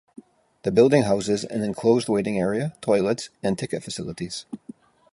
The building houses an enclosed waiting area, toilets and ticket facilities.